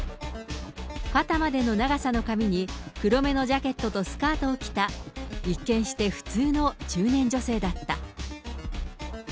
肩までの長さの髪に黒めのジャケットとスカートを着た、一見して普通の中年女性だった。